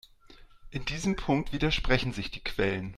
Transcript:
In diesem Punkt widersprechen sich die Quellen.